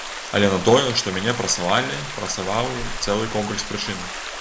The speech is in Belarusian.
Але на тое, што мяне прасавалі, працаваў цэлы комплекс прычын.